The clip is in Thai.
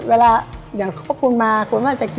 เวลาอย่างวันนี้คนมาอยากจะกิน